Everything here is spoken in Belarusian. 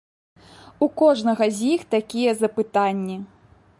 У кожнага з іх такія запытанні.